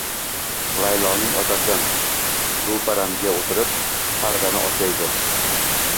Layloning otasi ro`paramga o`tirib, Pardani ochaymi